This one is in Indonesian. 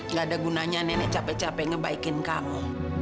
nggak ada gunanya nenek capek capek ngebaikin kami